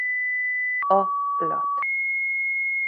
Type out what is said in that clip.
A lat.